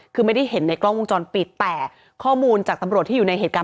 คือไม่ได้เห็นในกล้องวงจรปิดแต่ข้อมูลจากตำรวจที่อยู่ในเหตุการณ์